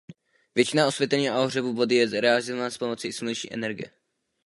Většina osvětlení a ohřevu vody je realizována s pomocí sluneční energie.